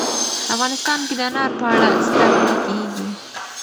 افغانستان کې د انار په اړه زده کړه کېږي.